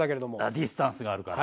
ディスタンスがあるから。